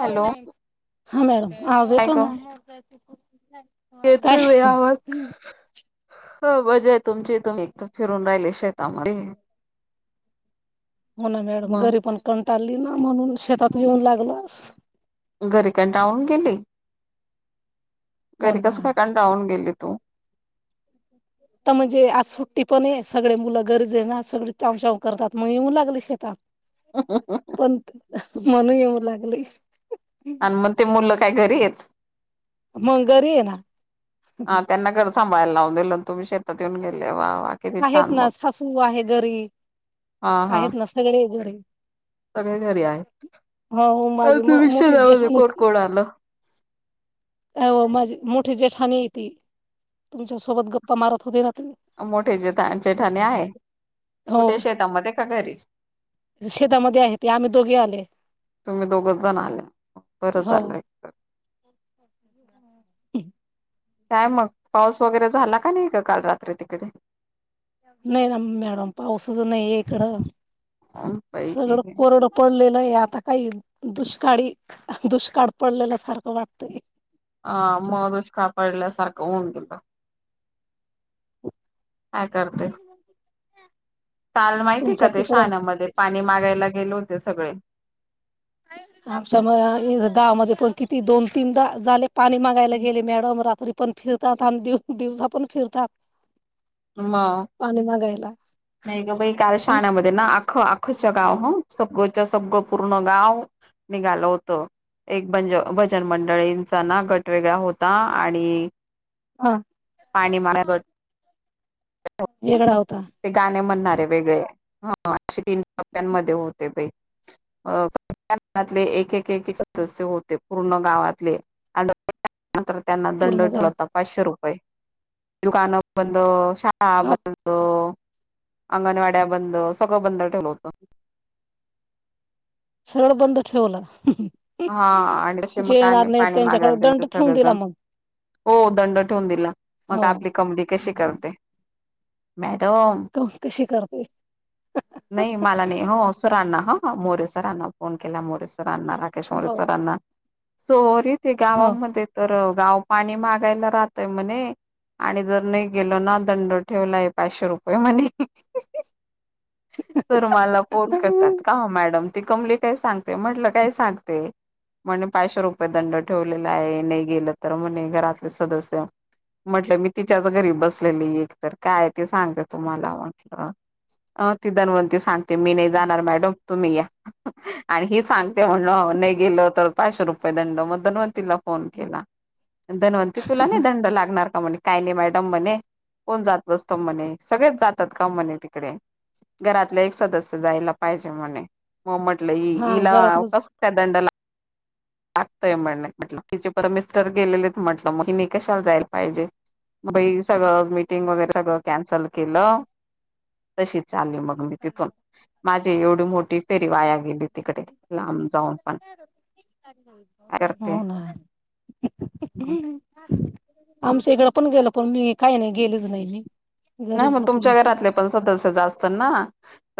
Hello हा madam आज येतो ना तेेत काय व यावत हो मजा आहे तुमची तुम्ही एक तर फिरून राहिले शेतामध्ये होणा मॅडम मग घरी पण कंटाळली ना म्हणून शेतात येेऊन लागलस घरी का डाऊून गेली हो घरी काच ना खकाण डाऊून गेली तू अच्छे तर म्हणजे आज सुट्टी पण आहे सगळे मुलं गरजे ना सगळे चाव चाव करतात मग येऊन लागली शेतात ह ह ह पण म्हणू येऊ लागली आणि मग ते मुलं काय घरी आहेत मंगरी ये ना डं सांभायला लावूनेल तुम्ही शेतात येऊन गेले वा किती आहेत छान ना मग सासू आहे घरीब हा हा आहेत ना सगळे घरी सगळे घरी आहे हो अ माझे तुम्ही मोठे शेतामध्ये कोण जशानस कोण आलं अ मज मोठे जेठानीतील तुमच्यासोबत गप्पा मारत होते ना तुम्ही मोठे जेा जेठाणे आहे कुठे हो शेतामध्ये का घरी शेतामध्ये आहे ते आम्ही दोघे आले तुम्ही दोघच जण आले बरंच आलंय हम् हम काय मग पाऊस वगैरे झाला का नाही का काल रात्री तिकडे नाही ना मॅडम पाऊसच नाही इकडं सगळं बाई कोरड पडलेलं आहे आता काही दुष्काळी दुष्काळ पडलेल्या सारखं वाटतंय ह म दुष कापडल्यासारखं होऊन गेल काय न म ताल माहितीय का ते शहाणामध्ये पाणी मागायला गेले होते सगळे आमच्या म गावामध्ये पण किती दोन तीनदा झाले पाणी मागायला गेले मॅडम रात्री पण फिरतात आणि दिवसा पण फिरतात म पाणी मागायला नाही ग बाई काल पण शाण्यामध्ये ना आख आखच गाव ह सगळंच सगळं पूर्ण गाव निघाल होत एक बंज भजन मंडळींचा ना गटवेेगळा होता आणि हा पाणी मा वेगळा होता ते गाणे म्हणणारे वेगळे अे तीन टप्प्यांमध्ये होते पई अले एक एक सदस्य होते पूर्ण गावातले नंतर त्यांना दंड पूर्ण उठला गाव होता पाचशे रुपये दुकान बंद शाळा पाप बंद अंगणवाड्या बंद सगळं बंद ठेव होतं सरळ बंद ठेवलं हा आणि तसे मग जे का येणार नाही पाणी त्यांच्याकडे मागायला गेलं तर दंड ठेवून दिला सगळेजण मग हो दंड ठेवून दिला मग हो आपली कंमनी कशी करते मॅडम कशी करते नाही मला नाही हो सरांना हो ह मोरेसरांना फोन केला मोरेसरांना राकेश हो मोरेसरांना सोरी ते हो गावामध्ये तर गाव पाणी मागायला राहतय म्हणे आणि जर नाही गेल ना दंड ठेवलाय पाचशे रुपये म्हणे तर मला फन हा करतात का मॅडम ती कमली काय सांगते म्हटलं काय सांग ते म्हणे पाचशे रुपये दंड ठेवलेला आहे नाही गेलं तर म्हणे घरातले सदस्य म्हटलं मी तिच्याच्या घरी बसलेली एक काय ते सांग तुम्हाला म्हट ती दनवंती सांग. ते मी नाही जाणार मॅडम तुम्ही या आणि ही सांगते म्हणल. न गेल तर पाचशे रुपये दंड मद्दनवतील. फोन केला धनवंती तुला नाही दंड लागणार का म्हण. काही नाही मॅडम म्हणे कोण जात बसतो म्हणे सगळेच जातात का म्हणे तिकडे. घरातले एक सदस्य जायला पाहिजे म्हणे मग म्हटलं इला घरातलंच कस काय दंडला. लागतंय म्हण म्हटलं तिचे प मिस्टर गेलेले म्हंटलं मग की निकषाला जायला पाहिजे. बाई सगळं मीटिंग वगैरे सगळं कॅन्सल केलं. तशी चालली मग मी तिथून माझी एवढी मोठी फेरी वाया गेली तिकडे लांब जाऊन पण काय करते हो ना. आमच्या इकडं पण गेल पण मी काही नाही गेलीच नाही मी नाही घरीच मग होते मी तुमच्या घरातले पण सदस्य जा असतात ना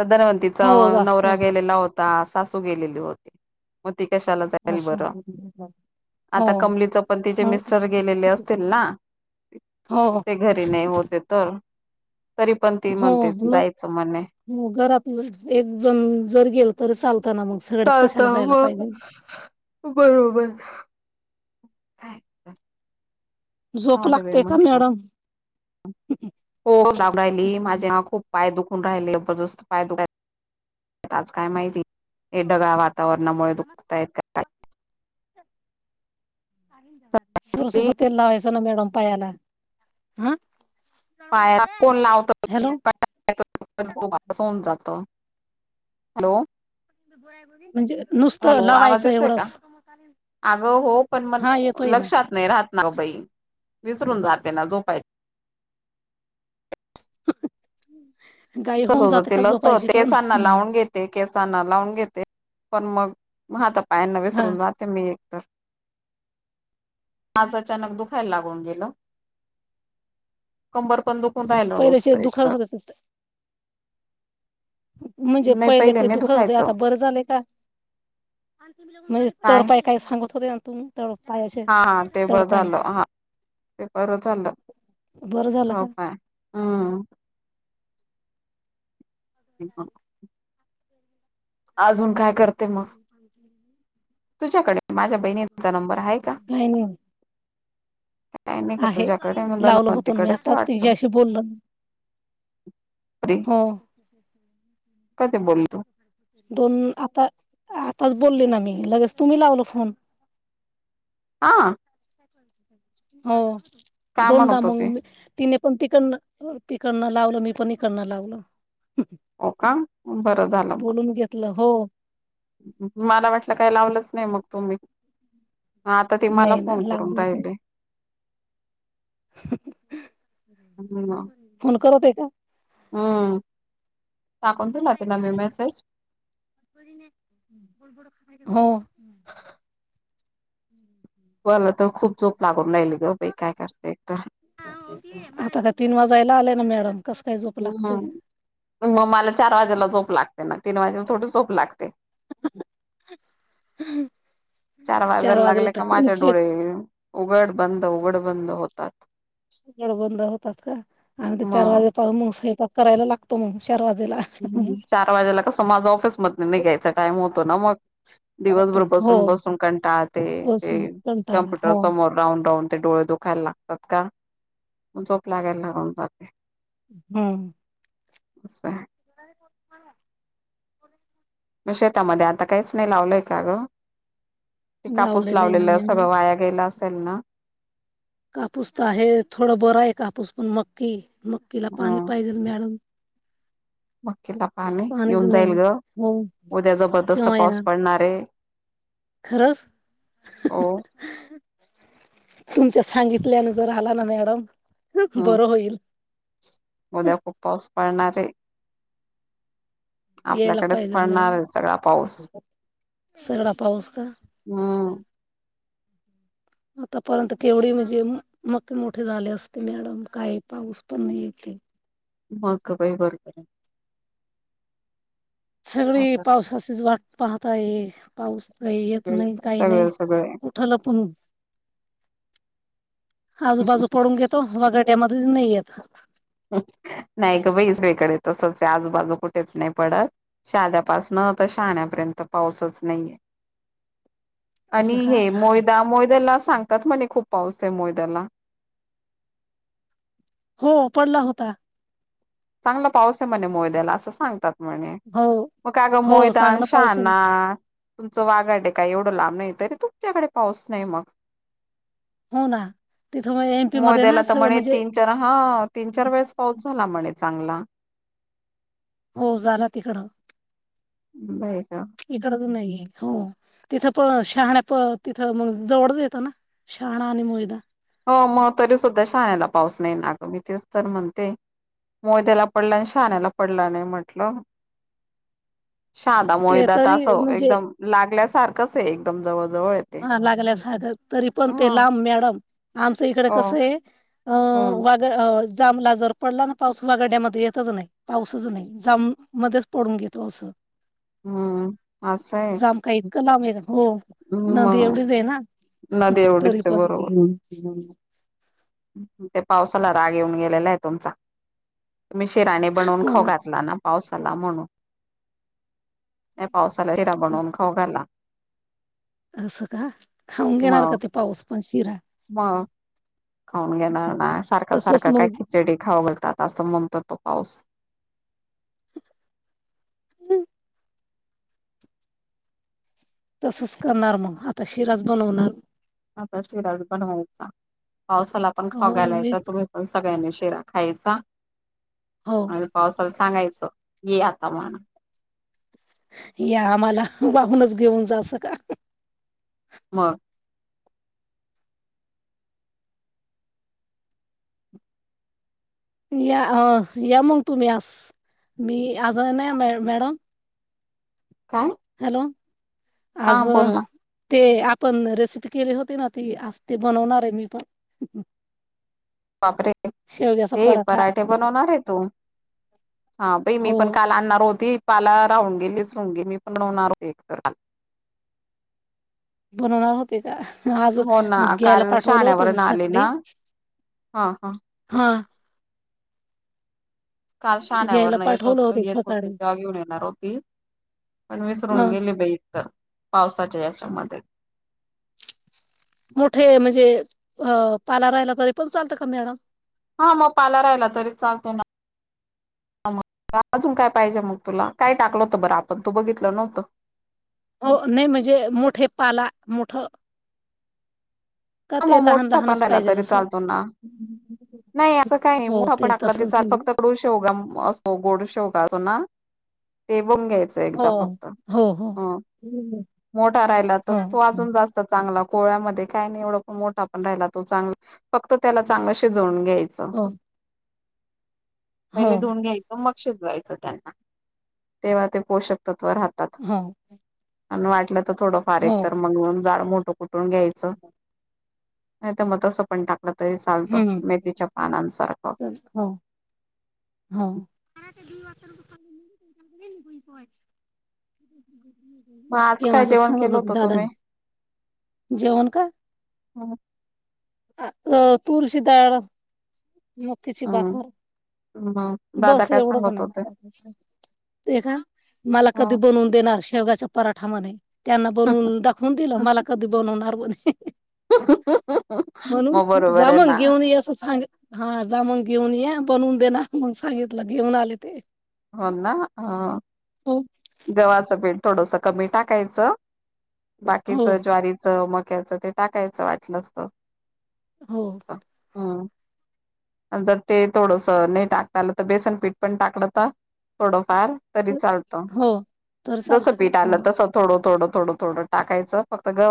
धनवंतीचा हो जास्त नवरा गेलेला होता. सासू गेलेली होती म ती कशाला जाईल असं बर हो हो आता कमलीच पण तिचे मिस्टर गेलेले असतील ना. ते घरी नाही होते तर तरी पण ती हो म्हणते मग जायचं म्हणणे. हो घरातलं एक जण जर गेल तर चालतना मग सगळेच चालत कशाला जायला पाहिजे मग बरोबर. [inaudible] झोप जाऊदे बाई लागते का म्हटलं मॅडम हो दाबरायली माझे ह खूप पाय दुखून राहिले जबरदस्त पाय दुखायला आज काय माहिती हे ढगळ्या वातावरणामुळे दुखताय का? ह [inaudible] काय सरसु तेल लावायचना मॅडम पायाला हह. पाय कोण लावत होऊन जात [unintelligible] हॅलो. म्हणजे नुसतं हॅलो आवाज लावायचं येतोय का एवढंच. अगं हो पण म हा येतोय ना लक्षात नाही राहत ना ग बाई विसरून जातेे ना झोपायची. [inaudible] सरसो च जाते का तेल असत झोपायची पण केसांना हम्म. लावून घेत. ते केसांना लावून घेते पण मग हाता पायांना हा विसरून जाते मी एकतर आज अचानक दुखायला लागून गेलं कंबर पण दु होयला उस्त पहिल्याचे एकत. दुखत होत म्हणजे नाही पहिले ते नाही दुखत होते दुखायचं आता बरं झाले का? म्हणजे तळपाय काय सांगत होते ना तु तळ पाय. हा ते बघालं हा. ते बर झाल बरं झालं का तळपाय हम. बिक. अजून काय? करते मग म पणचलेली. तुझ्याकडे माझ्या बहिणीचा नंबर आहे का काही नाही. काय नाही का आहे तुझ्याकडे मग लावलं होत मी धनवंतीकडेच आता आहे वाटतं तझ्याशी बोलल. हो. [inaudible] कध बोलतो. दोन आता आताच बोलले ना मी लगेच तुम्ही लावल फोन आं हो काय दोनदा म्हणत मंग होती मी तिने पण तिकडनं तिकडनं लावलं मी पण इकडनं लावलं. ओ का बरं झालं म. बोलून घेतलं हो मला वाटलं काय लावलंच नाही मग तुम्ही. हा आता ते मला नाही ना फोन करून लावलं होत राहिले. [unintelligible] फोन करत आहे का? हम्म टाकून दिला तिला मी मेसेज. बरी नाही [inaudible] हो. मला तर खूप झोप लागून राहिली गं बाई काय करते तर आता काय तीन वाजायला आलेय ना मॅडम. कसं काय झोप हम्म लागते म मला चार वाजायला झोप लागते ना तीन वाजायला थोडीच झोप लागते. ह. चार वाजायला लागले का माझे डोळे उघड बंद उघड बंद होतात. उगडबंद होतात का आम्ही तर चार मग वाजायता म स्वयपाक करायला लागतो मग चार वाजेला. हम्म चार वाजायला कसं माझं ऑफिस मधनं निघायचा टाइम होतो ना मग. दिवसभर हो बसून बसून कंटाळते ते बसून कंटाळा कम्प्युटर हो समोर. राऊन राऊन ते डोळे दुखायला लागतात का झोप लागायला लागून जाते. हम्म. असं आहे. [inaudible] म शेतामध्ये आता काहीच नाही लावलय का गं ते कापूस आहे ना लावलेलं मॅडम सगळं वाया गेला असेल ना? कापूस तर आहे थोडं बरं आहे, कापूस पण मक्की मक्कीला पाणी हम्म पाहिजेल मॅडम. मकीला पाणी पाणीच येऊन जाईल नाही गं हो उद्या जबरदस्त केव्हा पाऊस येणार पडणारय. खरंच तुमच्या सांगितल्यानुसार आला ना मॅडम हम्म बरं होईल. उद्या खूप पाऊस पडणार आहे. यायला आपल्याकडेच पाहिजेल पडणार मॅडम आहे सगळा पाऊस. सगळा पाऊस का हम्म. आतापर्यंत केवढी म्हणजे म मक्के मोठे झाले असते मॅडम कायं पाऊस पण नाही येते. म क बाई बरोबर हायं. सगळी आता पावसाचीच वाट पाहत आहे. पाऊस काही येत सगळे नाही काही नाही सगळे सगळे कुठं लपून आजूबाजू पडून घेतो वगड्यामध्ये नाहीच येत. नाही ग बाई सगळीकडे तसंच आजूबाजू कुठेच नाही पडत. शाद्यापासनं तर शाहण्यापर्यंत पाऊसच नाहीये. आणि असं का हे मोयदा मोयद्याला सांगतात म्हणे खूप पाऊस आहे मोयद्याला. हो पडला होता. चांगला पाऊस आहे, म्हणे मोयद्याला असं सांगतात. म्हणे हो मग का गं हो मोयदा आन चांगला पाऊस आहे ना शाना तुमचं वागाड आहे काय एवढं लांब नाही तरी तुमच्याकडे पाऊस नाही मग. हो ना तिथं म एम पी मध्ये ना सगळं म्हणजे चर हां तीन चार वेळेस पाऊस झाला म्हणे चांगला. हो झाला तिकडं. बयं का इकडंच नाहीये हो तिथं पण शहाण्या प तिथं मग जवळच येतं ना. शाहाणा आणि मोयदा. हो मग तरी सुद्धा शाहाण्याला पाऊस नाही ना गं मी तेच तर म्हणते. मोद्याला पडलं आणि शाण्याला पडलं नाही म्हटलं शादा ते मोयदात तरी असं म्हणजे एकदम लागल्यासारखंच हे एकदम जवळ जवळ येते हा लागल्यास तरी पण ह ते लांब मॅडम आमचं इकडे हो कसं आहे अ हम्म वाट अ जामला जर पडला ना पाऊस हगड्यामध्ये येतच नाही. पाऊसाचं नाही जम मध्येच पडून घेतो असं [inaudible] हम्म असं आहे जाम काय इतकं लांब आहे हो नदी मग एवढीच आहे ना नदी तरी एवढीच आहे पण बरोबर ते पावसाला राग येऊन गेलेला आहे तुमचा तुम्ही शिरा नाही बनवून खाऊ घातला ना पावसाला म्हणून या पावसाला हिरा बनवून खाऊ घाला. असं का खाऊन घेणार का मग ते पाऊस पण शिरा मग खाऊन घेणार ना सारख तसच सारखा काय मग खिचडी खाऊ घलतात असं म्हणतो तो पाऊस हम [unintelligible] तसच करणार मग आता शिरास बनवणार. आता शिराज बनवायचा पावसाला पण खावा हो मी घालायचा तुम्ही सगळ्यांनी शिरा खायचा हो आणि पावसालचा सांगायचं ये आता म्हण या आम्हाला वाहूनच घेऊन जासं का मग या हं या मग तुम्ही आस मी आज नाही म मॅडम काय हॅलो हा आज बोल ना ते आपण रेसिपी केली होती ना ती आ ते बनवणार आहे मी पण बापरे शेवग्याचा ते पराठा पराठे बनवणार आहे तू हा बई मी हो पण काल आणणार होती काला राहून गेलीच गे मी पण नवणार हो बनवणार ते का आज हो ना म्हणजे घ्यायला काल पाठवलं होतो मी शहाण्यावरन आले ना सकाळी हा हा हा काल घ्यायला शाण्यावर येत पाठवलं होत येत होती सकाळी ज घेऊन येणार होती. पण विसरून हा गेली बाईइत तर पावसाच्या याच्या मध्ये मोठे म्हणजे पाला राहिला तरी पण चालतं का मॅडम हा मग पाला राहिला तरीच चालते ना मग अजून काय पाहिजे मग तुला काय टाकलं होतं बरं आपण तू बघितलं नव्हतं. हो नाही म्हणजे मोठे पाला मोठ ह मग मोठं लहान ठोकान लहानच राहिला पाहिजेल तरी असं? चालतो ना नाही असं काही नाही हो मठ आपण आपला ते तसंच चाल म्हणजे फक्त कडू शेवगा असो गोड शेवगा असो ना ते बंगेेत हो, फक्त हो, हो, मोठा राहिला तर हो, त अजून जा चांगला कोळ्यामध्ये काय नाही एवढा पण मोठा पण राहिला तो चांगला फक्त त्याला चांगला शि जवून घ्यायच. हो, हो, पहिले धुून घ्याय मग शिजवायचं त्यांना तेव्हा ते पोषक तत्व राहतात. हो. आणि वाटलं तर थोडं फार एक हो, तर मग म जाड मोठं कुठून घ्यायचं नाही तर मग तस पण टाकलं तरी चालतो हं, मेथीच्या पानांसारखं हो हो. मग आज केव काय अस जेवण सांगत केलं होत होतं दादा तुम्ही जेवण काय? आ तुळरची डाळ मक्याची हम्म भाकर. [unintelligible] बस काय एवढंच सांगत ना, होते ते का मला कधी हम्म बनवून देणार शेवगाचा पराठा म्हणे त्यांना बनवून दाखवून दिलं मला कधी बनवणार म्हणे. म्हणून मग बरोबर जा आहे मग ना घेऊन ये असं सांग हा जा मग घेऊन ये बनवून देणार मग सांगितलं घेऊन आले ते. हो ना हा. हो! गव्हाचं पीठ थोडस कमी टाकायचं हो बाकीच ज्वारीच, मक्याचं ते टाकायचं वाटलंच तर हो हम्म. जर ते थोडंस नाही टाकता आलं तर बेसन पीठ पण टाकलं त थोडंफार तरी चालतं. हो तर जसं चालतं का पीठ आलं हो तसं थोडं थोडं थोडं थोडं टाकायचं फक्त ग